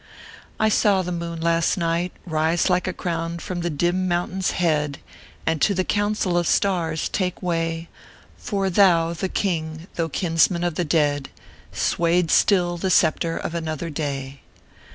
" I saw the moon last night Rise like a crown from the dim mountain s head, And to the Council of the Stars take way ; For thou, the king, though kinsman of the dead, Swayed still the sceptre of Another Day.